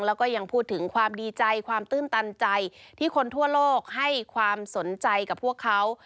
แล้วก็ยังพูดถึงความดีใจความตื้นตันใจที่คนทั่วโลกให้ความสนใจกับพวกเขา